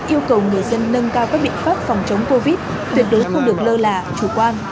yêu cầu người dân nâng cao các biện pháp phòng chống covid tuyệt đối không được lơ là chủ quan